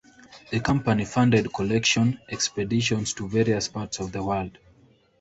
The company funded collection expeditions to various parts of the world.